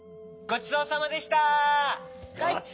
ごちそうさまでした！